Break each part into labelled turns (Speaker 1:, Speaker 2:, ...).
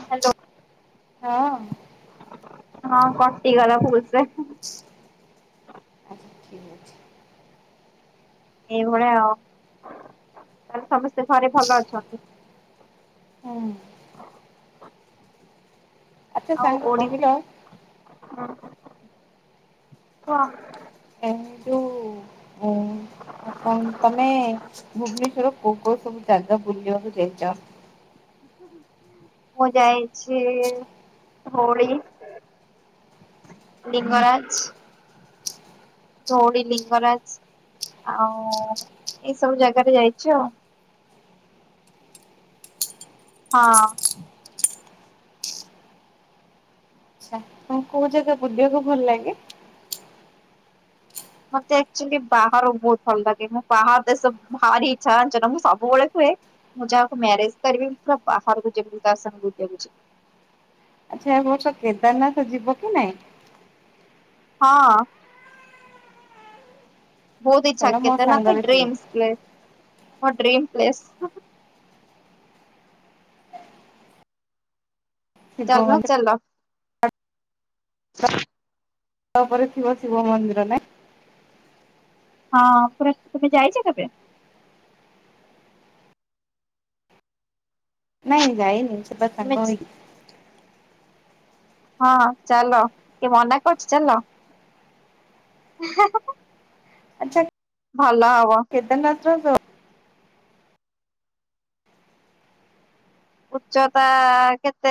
Speaker 1: Hello.
Speaker 2: ହଁ।
Speaker 1: ହଁ କଟିଗଲା ଭୁଲ ସେ
Speaker 2: ଆଚ୍ଛା ଠିକ ଅଛି।
Speaker 1: ଏଇଭଳିଆ ଆଉ ସମସ୍ତେ ଘରେ ଭଲ ଅଛନ୍ତି।
Speaker 2: ହଁ। ଆଚ୍ଛା ସାଙ୍ଗ କହିଲ?
Speaker 1: ହଁ।
Speaker 2: ଏଣ୍ଡୁ ଭୁବନେଶ୍ଵର କୋଉ କୋଉ ସବୁ ଯାଗା ବୁଲିବାକୁ ଯାଇଛ?
Speaker 1: ମୁଁ ଯାଇଛି ଧୋଉଳି ଲିଙ୍ଗରାଜ ଧୋଉଳି ଲିଙ୍ଗରାଜ ଆଉ ଏଇ ସବୁ ଜାଗାରେ ଯାଇଛି ଆଉ। ହଁ।
Speaker 2: ଆଚ୍ଛା। ତମକୁ କୋଉ ଜାଗା ବୁଲିବାକୁ ଭଲ ଲାଗେ?
Speaker 1: ମତେ ଆକଚୁଆଲ୍ଲୀ ବାହାର ବହୁତ ଭଲ ଲାଗେ ମୁଁ ବାହାର ଦେଶ ଭାରି ଇଚ୍ଛା ଜାଣିଛ ନା ମୁଁ ସବୁବେଳେ କୁହେ ମୁଁ ଯାକୁ ମ୍ୟରେଜ କରିବି ପୁରା ବାହାରକୁ ଯବି ତା ସହ ବୁଲିବାକୁ ଯିବି।
Speaker 2: ଆଚ୍ଛା ଏ ବର୍ଷ କେଦାରନାଥ ଯିବ କି ନାଇଁ?
Speaker 1: ହଁ। ବହୁତ ଇଚ୍ଛା
Speaker 2: ଚାଲ ମୋ
Speaker 1: କେଦାରନାଥ ତ
Speaker 2: ସାଙ୍ଗରେ ଯିବ।
Speaker 1: ଡ୍ରିମ୍ ପ୍ଲେସ୍ ମୋ ଡ୍ରିମ୍ ପ୍ଲେସ୍।
Speaker 2: ଶିବ
Speaker 1: ଚାଲୁନ
Speaker 2: ମନ୍ଦିର
Speaker 1: ଚାଲ। [inaudible]
Speaker 2: ତାପରେ ଥିବ ଶିବ ମନ୍ଦିର ନାଇଁ।
Speaker 1: ହଁ ପୁରା ତୁମେ ଯାଇଛ କେବେ?
Speaker 2: ନାଇଁ ଯାଇନି ଯିବା
Speaker 1: ତୁମେ
Speaker 2: ସଙ୍ଗ ହେଇକି।
Speaker 1: ହଁ ଚାଲ କିଏ ମନା କରୁଛି ଚାଲ। ହେ ହେ ହେ
Speaker 2: ଆଚ୍ଛା କେଦାରନାଥ ର ଯୋଉ
Speaker 1: ଉଚ୍ଚତା କେତେ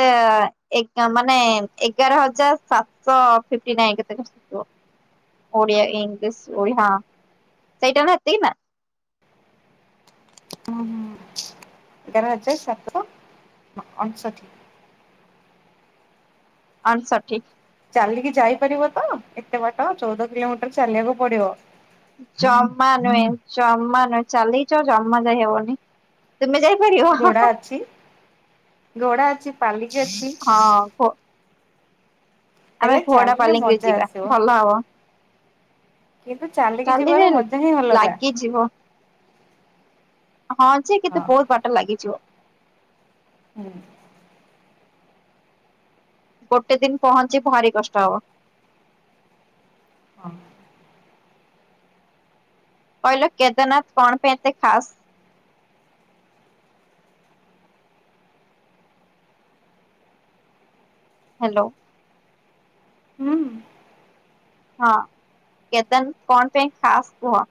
Speaker 1: ଏଗା ମାନେ ଏଗାର ହଜାର ସାତଶହ ଫିଫ୍ଟି ନାଇନ କେତେ ଆକା ଆସୁଥିବ? ଓଡିଆ ଇଂଲିଶ ଓ ହଁ ସେଇଟା ନା ଏତିକି ନା। [inaudible]
Speaker 2: ଉଁ ଏଗାର ହଜାର ସାତଶହ ଅଣଷଠି।
Speaker 1: ଅଣଷଠି।
Speaker 2: ଚାଲିକି ଯାଇପାରିବ ତ ଏତେ ବାଟ ଚଉଦ କିଲୋମିଟର ଚାଲିବାକୁ ପଡିବ।
Speaker 1: ଜମା ନୁହେଁ, ଜମା ନୁହେଁ ଚାଲିକି ତ ଜମା ଯାଇ ହେବନି ତୁମେ ଯାଇ
Speaker 2: ଘୋଡା ଅଛି ଘୋଡା ଅଛି ପାଲି
Speaker 1: ହଁ କ ଆମେ
Speaker 2: ହେଲେ
Speaker 1: ଘୋଡା
Speaker 2: ଚାଲିଲେ
Speaker 1: ପାଲିଙ୍କିରେ
Speaker 2: ମଜା
Speaker 1: ଯିବା
Speaker 2: ଆସିବ।
Speaker 1: ଭଲ ହବ।
Speaker 2: କିନ୍ତୁ ଚାଲିକି
Speaker 1: ଚାଲିଲେ,
Speaker 2: ଯିବାର ମଜା ହିଁ ଅଲଗା
Speaker 1: ଲାଗିଯିବ। ହଁ ଯେ କିନ୍ତୁ
Speaker 2: ହଁ
Speaker 1: ବହୁତ ବାଟ ଲାଗିଯିବ।
Speaker 2: ହୁଁ।
Speaker 1: ଗୋଟେ ଦିନ ପହଞ୍ଚି ଭାରି କଷ୍ଟ ହବ।
Speaker 2: ହଁ।
Speaker 1: କହିଲ, କେଦାରନାଥ କଣ ପାଇଁ ଏତେ ଖାସ୍? ହାଲୋ।
Speaker 2: ହୁଁ।
Speaker 1: ହଁ କେତନ୍ କଣ ପାଇଁ ଖାସ୍ କୁହ?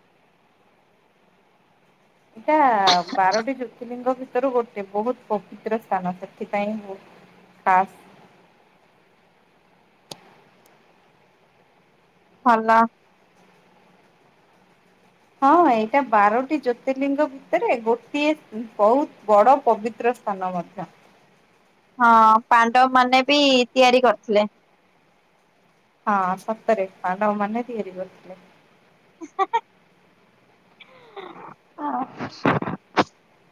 Speaker 2: ଏଇଟା-ଆ-ଆ ବାରଟି ଜ୍ୟୋତିର୍ଲିଙ୍ଗ ଭିତରୁ ଗୋଟେ। ବହୁତ ପବିତ୍ର ସ୍ଥାନ। ସେଥିପାଇଁ ହିଁ ପାସ୍।
Speaker 1: ଭଲ।
Speaker 2: ହଁ ଏଇଟା ବାରଟି ଜ୍ୟୋତିର୍ଲିଙ୍ଗ ଭିତରେ, ଗୋଟିଏ ବହୁତ ବଡ ପବିତ୍ର ସ୍ଥାନ ମଧ୍ୟ।
Speaker 1: ହଁ ପାଣ୍ଡବ ମାନେ ବି ତିଆରି କରିଥିଲେ।
Speaker 2: ହଁ ସତରେ ପାଣ୍ଡବ ମାନେ ତିଆରି କରିଥିଲେ।
Speaker 1: ହେ ହେ ହ ହ।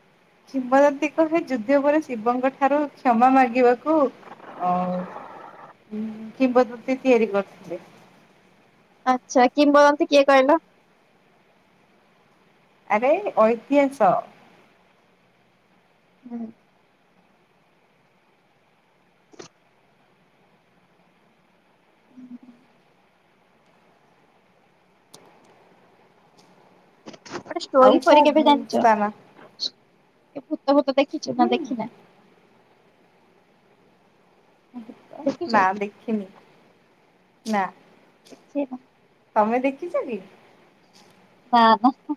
Speaker 2: ଶିବଦନ୍ତ୍ରୀ କେବେ ଯୁଦ୍ଧ ପରେ ଶିବଙ୍କ ଠାରୁ କ୍ଷମା ମାଗିବାକୁ ଆଉ କିମ୍ବଦନ୍ତୀ ତିଆରି କରୁଥିଲେ।
Speaker 1: ଆଚ୍ଛା କିମ୍ବଦନ୍ତୀ କିଏ କହିଲ?
Speaker 2: ଆରେ-ଏ-ଏ ଐତିହାସ।
Speaker 1: ହୁଁ ହୁଁ। ଗୋଟେ
Speaker 2: ଆଉ
Speaker 1: ଷ୍ଟୋରି ଫୋରି କେବେ
Speaker 2: କୋଉ
Speaker 1: ଜାଣ୍ ଚ?
Speaker 2: ସ୍ଥାନ
Speaker 1: ଏ ଭୁତ ଭୁତ ଦେଖିଛୁ ନା
Speaker 2: ହୁଁ।
Speaker 1: ଦେଖିନା? ଦେଖିଛ?
Speaker 2: ନା ଦେଖିନି, ନା।
Speaker 1: [inaudible]
Speaker 2: ତମେ ଦେଖିଚ କି?
Speaker 1: ହଁ ହା ହା।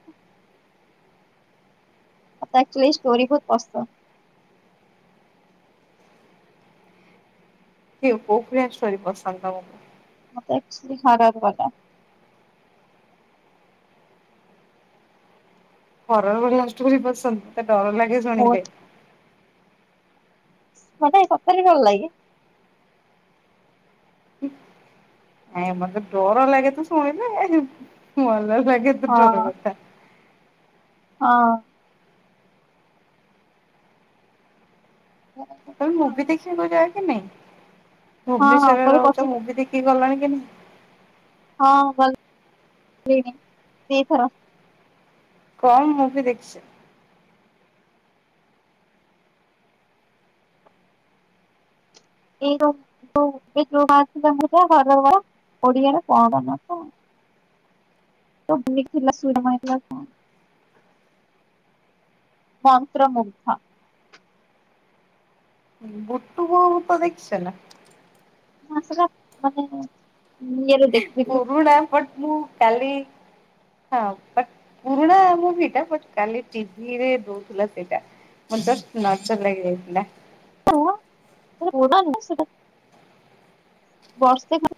Speaker 1: ମତେ ଆକ୍ ଚୁଲି ଷ୍ଟୋରି ବହୁତ ପସନ୍ଦ୍।
Speaker 2: କିଏ, କୋଉପରିଆ ଷ୍ଟୋରି ପସନ୍ଦ ତମକୁ?
Speaker 1: ମତେ ଆକଚୁଲି ହରର୍ ଵାଲା।
Speaker 2: ହରର୍ ଵାଲା ଷ୍ଟୋରି ପସନ୍ଦ ମତେ ଡର ଲାଗେ
Speaker 1: ବହୁତ
Speaker 2: ଶୁଣିଲେ।
Speaker 1: ମାନେ ସତରେ ଭଲ ଲାଗେ?
Speaker 2: ଆଜ୍ଞା। ମତେ ଡର ଲାଗେ ତ ଶୁଣିଲେ ଏହେଁ ଭଲ ଲାଗେ ତ ଡର କଥା।
Speaker 1: ହ ଅଁ।
Speaker 2: ତମେ
Speaker 1: ହଁ
Speaker 2: ମୁବି ଦେଖିବାକୁ ଯାଏ କି ନାଇଁ?
Speaker 1: ହଁ
Speaker 2: ଭୁବନେଶ୍ୱରରେ
Speaker 1: ମୋର
Speaker 2: ରହୁଛ
Speaker 1: ପଚିଶ
Speaker 2: ମୁବି ଦେଖିକି ଗଲାଣି କେ
Speaker 1: ହଁ ଗଲ୍ ଲିଣି। ଦି ଥର।
Speaker 2: କମ୍ ମୂଭିି ଦେଖିଛ୍?
Speaker 1: [inaudible] ହରର। ଓଡ଼ିଆରେ କଣ ନାଁ ତ? [inaudible] ମନ୍ତ୍ରମୁଗ୍ଧ।
Speaker 2: ବୁଟୁ ବୋଉ ଭୂତ ଦେଖିଛ ନା?
Speaker 1: ନା ସେଟା ମାନେ ଉଁ ଇଏରେ ଦେ
Speaker 2: ପୁରୁଣା ବଟ ମୁୁଁ କାଲି। ହଁ ବଟ ପୁରୁଣା ମୁଭିଟା ବଟ କାଲି ଟିଭିରେ ଦଉଥୁଲା ସେଇଟା। ମତେ ନଜର ଲାଗି ଯାଇଥିଲା।
Speaker 1: ରୁହ ଏଇ ଯୋଉ [inaudible] ସେଟା ବର୍ଷେ ଖାଲି।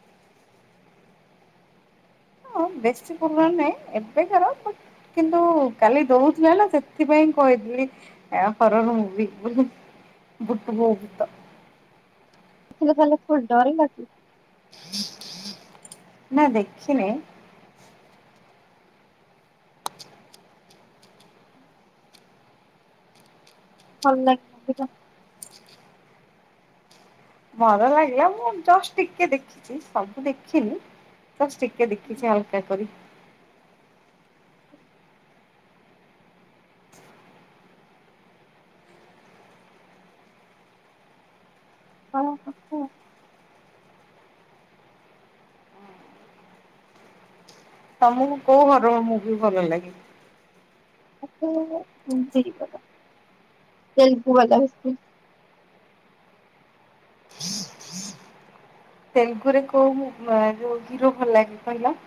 Speaker 2: ହଁ ବେଶୀ ପୁରୁଣା ନାଇଁ ଏବେକାର ବଟ୍ କିନ୍ତୁ କାଲି ଦଉଥିଲା ନା ହେଲେ ସେଥିପାଇଁ କହି ଲି ଆ ଫରନ ମୁଭି ବୋଲି ବୁଟୁ ବୋଉ ଭୂତ।
Speaker 1: ଦେଖିଲେ କାଲି ଯଉ ଡରିଲ କି?
Speaker 2: ନାଇ ଦେଖିନି।
Speaker 1: ଭଲ ଲାଗେ ମୁଭି ତ।
Speaker 2: ଭଲ ଲାଗିଲା ମୁଁ ଜଷ୍ଟ ଟିକେ ଦେଖିଛି ସବୁ ଦେଖିନି। ବାସ ଟିକେ ଦେଖିଛି ହାଲକା କରି।
Speaker 1: ଓହୋ। [unintelligible]
Speaker 2: ତମକୁ କୋଉ ହରର ମୁଭି ଭଲ ଲାଗେ?
Speaker 1: ମତେ ମୁଭି ଜୀବନ। ତେଲୁଗୁ ବାଲା [unintelligible]
Speaker 2: ତେଲୁଗୁରେ କୋଉ ଉଁ ମା ଯୋଉ ହିରୋ ଭଲ ଲାଗେ କହିଲ?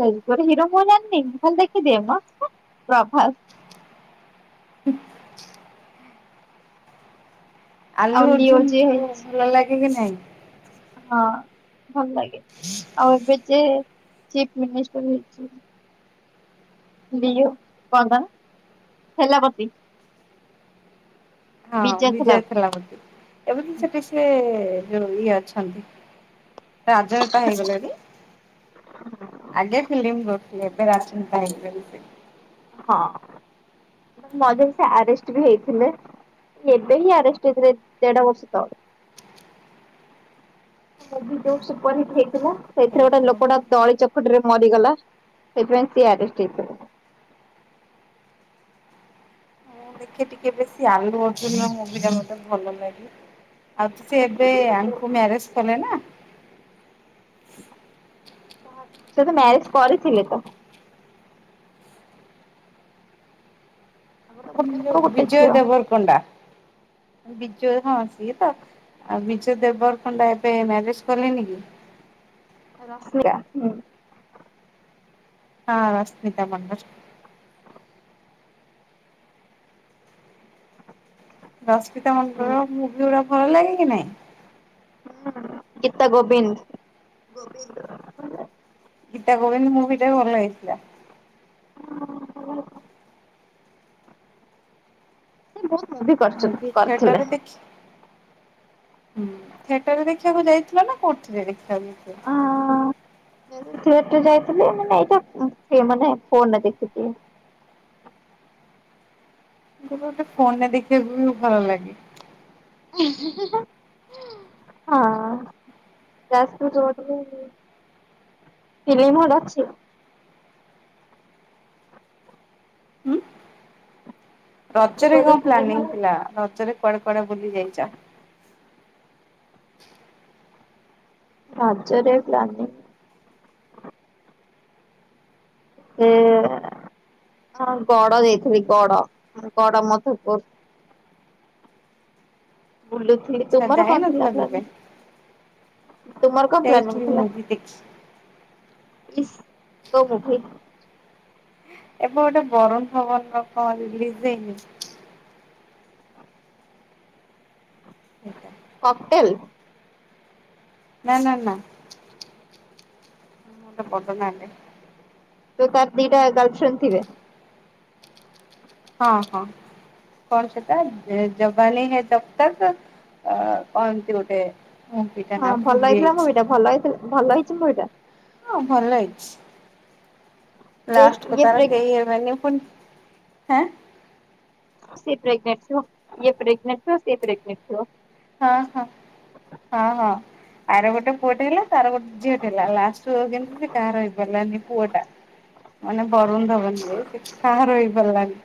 Speaker 1: ତେଲଗୁରେ ହିରୋ ମୁଁ ଜାଣିନି ମୁଁ ଖାଲି ଦେଖିଦିଏ ମ ହେ ପ୍ରଭାସ୍।
Speaker 2: ଆଲୁ
Speaker 1: ଆଉ ଲିଓ
Speaker 2: ଅର୍ଜୁନ
Speaker 1: ଯିଏ
Speaker 2: କୁ
Speaker 1: ହେଇଛି
Speaker 2: ଭଲ ଲାଗେ କି ନାଇଁ?
Speaker 1: ହଁ ଭଲ ଲାଗେ ଆଉ ଏବେ ଯେ ଚିପ ମିନିଷ୍ଟର ହେଇଚି। ଏବେ ଯଉ କଣ ତା ନାଁ ଥେଲାପତି।
Speaker 2: ହଁ ବିଜୟ ଥାଲାପତି ଏବେ ତ ସେଠି ସେ। ଯୋଉ ଇଏ ଅଛନ୍ତି। ରାଜନେତା ହେଇଗଲେଣି ଆଗେ ଫିଲିମ୍ କରୁଥିଲେ ରାଜନେତା ହେଇଗଲେଣି ସେ।
Speaker 1: ହଁ ଉଁ ହୁଁ ମଝିରେ ସେ ଆରେଷ୍ଟ ବି ହେଇଥିଲେ। ଏବେ ହିଁ ଆରେଷ୍ଟ ହେଇଥିଲେ ଦେଢ ବର୍ଷ ତଳେ। ତା ମୁଭି ଯୋଉ ସୁପର ହିଟ ହୋଇ ଥିଲା ସେଥିରେ ଗୋଟେ
Speaker 2: ହେଇଥିବ।
Speaker 1: ଲୋକଟା ଦଳି ଚକଟିରେ ମରିଗଲା ସେଥିପାଇଁ ସିଏ ଆରେଷ୍ଟ ହେଇଥିଲେ।
Speaker 2: ମୁଁ ଦେଖେ ଟିକେ ବେଶି ଆଲୁ ଅର୍ଜୁନର ମୁଭି ଟା ମତେ ଭଲ ଲାଗେ। ଆଉ ତ ସେ ଏବେ ଆଙ୍କୁ ମ୍ୟାରେଜ କଲେ ନା।
Speaker 1: କାହାକୁ ସେ ତ ମ୍ୟାରେଜ କରିଥିଲେ ତ।
Speaker 2: ଉଁ
Speaker 1: ଗୋଟେ
Speaker 2: ଯଉ
Speaker 1: ପୁଅ ଗୋଟେ
Speaker 2: ବିଜୟ
Speaker 1: ଝିଅ
Speaker 2: ଦେବର କଣ୍ଡା ବିଜୟ ହଁ ସିଏ ତ। ଆଉ ବିଜୟ ଦେବର କଣ୍ଡା ଏବେ ମ୍ୟାରେଜ କଲେନି କି।
Speaker 1: ଏ ରସ୍ମିକା ହୁଁ।
Speaker 2: ହଁ ରଶ୍ମିତା ମଣ୍ଡନ।
Speaker 1: ହ [inaudible]
Speaker 2: ରଶ୍ମିତା ମଣ୍ଡନର ମୁଭି ଗୁଡା ଭଲ ଲାଗେ କି ନାଇଁ?
Speaker 1: ହୁଁ ଗିତ ଗୋବିନ୍ଦ ଗୋବିନ୍ଦ।
Speaker 2: ଗୀତା ଗୋବିନ୍ଦ ମୁଭିଟା ଭଲ ହେଇଥିଲା।
Speaker 1: ହଁ ଭଲ ହେଇଥିଲା। ସେ ବହୁତ ମୁଭି
Speaker 2: ମୁଁ
Speaker 1: କରିଛନ୍ତି
Speaker 2: ବି
Speaker 1: କରିଥିଲେ।
Speaker 2: ଥିଏଟରରେ ଦେଖି। ହୁଁ ଥିଏଟରରେ ଦେଖିବାକୁ ଯାଇଥିଲ ନା କୋଉଥିରେ ଦେଖ ଦେଖିବାକୁ ଯାଇଥିଲ।
Speaker 1: ଥିଏଟର ଯାଇଥିଲେ ମାନେ ଏଇଟା ଉଁ ସେ ମାନେ ଫୋନରେ ଦେଖିଛି। [inaudible]
Speaker 2: ଗୋଟେ ଗୋଟେ ଫୋନ ରେ ଦେଖିବାକୁ ବି ଭଲ ଲାଗେ।
Speaker 1: ଏ ହେଁ ହେଁ ହେଁ ହେଁ। ହଁ ଯାଜପୁର ରୋଡରେ ଫିଲିମ ହଲ ଅଛି?
Speaker 2: ହୁଁ।
Speaker 1: ଯାଜପୁର
Speaker 2: ରଜରେ
Speaker 1: ରୋଡରେ
Speaker 2: କଣ
Speaker 1: ଫିଲ୍ମ
Speaker 2: ପ୍ଲାନିଂ
Speaker 1: ହଲ
Speaker 2: ଥିଲା। ରଜରେ କୁଆଡେ କୁଆଡେ ବୁଲି ଯାଇଛ?
Speaker 1: ରାଜରେ ପ୍ଲାନିଙ୍ଗ। ସେଇଆବା। ହଁ ଗଡ ଯାଇଥିଲି ଗଡ ଗଡ ମଧୁପୁର। [inaudible] ବୁଲୁଥିଲି
Speaker 2: ଆଚ୍ଛା
Speaker 1: ତୁମର
Speaker 2: ଯାଇ
Speaker 1: କଣ
Speaker 2: ନଥିଲ
Speaker 1: ଥିଲା
Speaker 2: କେବେ
Speaker 1: ପ୍ଲାନିଙ୍ଗ? ତୁମର କଣ ପ୍ଲାନିଂ
Speaker 2: ଯାଇଥିଲି
Speaker 1: ଥିଲା।
Speaker 2: ମୁଭି ଦେଖି।
Speaker 1: ଇଶି ତୋ ମୋ ଭାଇ।
Speaker 2: ଏବେ ଗୋଟେ ବରୁଣ ଭବନ ର କଣ ରିଲିଜି ହୋଇନି? ଏଟା
Speaker 1: କପଟେଲେ।
Speaker 2: ନା ନା ନା। ଗୋଟେ ବଡ଼ ନାଆଁଟେ।
Speaker 1: ତ ତାର ଦିଟା ଗାର୍ଲଫ୍ରେଣ୍ଡ ଥିବେ?
Speaker 2: ହଁ ହଁ। କଣ ସେଟା ଜବାନୀ ହେ ତବ ତକ ଙ୍କ ଏମିନ୍ତି ଗୋଟେ। ମୁଭିଟା
Speaker 1: ହଁ
Speaker 2: ନାଁ
Speaker 1: ଭଲ
Speaker 2: ଭୁଲି
Speaker 1: ହେଇଥିଲା
Speaker 2: ଯାଇଛି
Speaker 1: ମୁଭି ଟା ଭଲ ହେଇ ଭଲ ହେଇଛି ମୁଭିଟା।
Speaker 2: ହଁ ଭଲ ହେଇଛି
Speaker 1: ଇଏ
Speaker 2: ଲାଷ୍ଟ କୁ
Speaker 1: ଇଏ
Speaker 2: ତାର
Speaker 1: ପ୍ରେଗ୍
Speaker 2: କେହି ହେବେନି ବନି ହ୍ନା।
Speaker 1: ସେ ପ୍ରେଗନେଟେ ଥିବ ସେ ପ୍ରେଗନଟ ଥିବ।
Speaker 2: ହଁ ହଁ ହଁ ହଁ। ଆର ଗୋଟେ ପୁଅଟେ ହେଲା ତାରଗୋଟେ ଝିଅ ଟେହେଲା ଲାଷ୍ଟ କୁଜେମିତି କାହାର ହେଇ ପାରିଲାନି। ପୁଅ ଟା ମାନେ ବରୁଣ ଧବନ ଯିଏ ସେ କାହାର ହେଇ ପାରିଲାନି।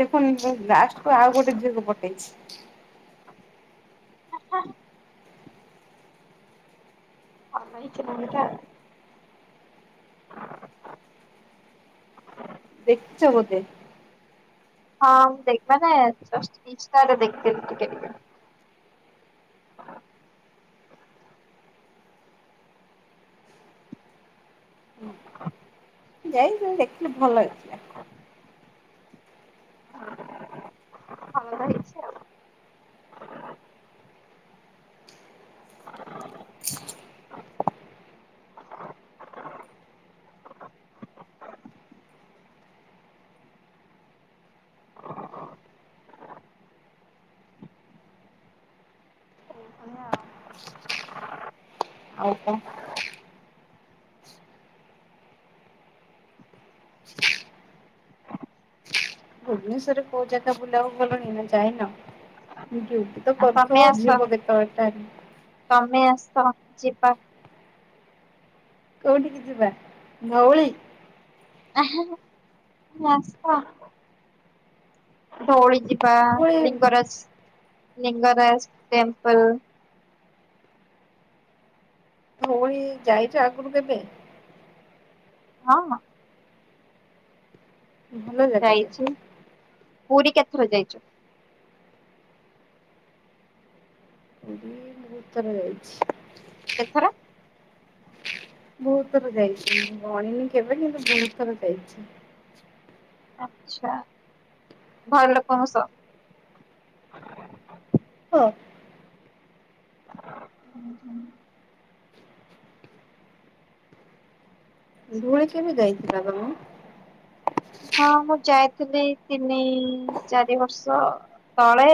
Speaker 2: ସେପୁଣି ଲାଷ୍ଟକୁ ଆଉ ଗୋଟେ ଝିଅକୁ ପଟେଇଛି।
Speaker 1: ଆ ହଃ ହା। [unintelligible]
Speaker 2: ଦେଖିଛ ବୋଧେ?
Speaker 1: ହଁ ମୁ ଦେଖ ମାନେ ଇଷ୍ଟା ରେ ଦେକହିଥିଲି ଟିକେ ଟିକେ।
Speaker 2: ଯାଇଥିଲୁ ଦେଖିଲଲୁ ଭଲ ହେଇଥିଲା।
Speaker 1: [unintelligible] ଭଲତ ହେଇଛି ଆଉ। ଏଇଭଳିଆ ଆଉ।
Speaker 2: ଆଉ କଣ? ଭୁବନେସ୍ଵରରେ କୋଉ ଜାଗା ବୁଲାବାକୁ ଗଲଣି ନା ଯାଇନ? ଡିଉଟି ତ
Speaker 1: ତମେ
Speaker 2: କରୁଥିବ
Speaker 1: ଆସ
Speaker 2: ଯିବ କେତବେଲେ ଟାଇମି।
Speaker 1: ତମେ ଆସ ଯିବା।
Speaker 2: କୋଉଠିିକି ଯିବା ଧଉଳି?
Speaker 1: [inaudible] ଦୋଉଳି ଯିବ ତ
Speaker 2: ଧଉଳି
Speaker 1: ଲିଙ୍ଗରାଜ ଲିଙ୍ଗରାଜ ଟେମ୍ପଲ।
Speaker 2: ଯାଇଛୁ ଆଗରୁ କେବେ
Speaker 1: ହଁ।
Speaker 2: ଭଲଗତନ୍ତୀ।
Speaker 1: ଯାଇଛି ପୁରୀ କେତେଥର ଯାଇଛୁ?
Speaker 2: ବହୁତ୍ ଥର ଯାଇଛି।
Speaker 1: କେତେଥର?
Speaker 2: ବହୁତ ଥର ଯାଇଛି, ଗଣିନୀ କେବେ କିନ୍ତୁ ବହୁତ ଥର ଯାଇଛି।
Speaker 1: ଆଛା ଭଲ ପଣସ?
Speaker 2: ହ ଧୂଳି କେବେ ଯାଇଥିଲ ତମେ?
Speaker 1: ହଁ ମୁଁ ଯାଇଥିଲି ତିନି ଚାରି ବର୍ଷ ତଳେ।